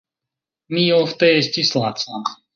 Mi ofte estis laca.